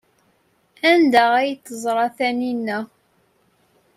Anda ay t-teẓra Taninna?